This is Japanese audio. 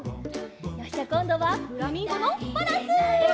じゃあこんどはフラミンゴのバランス！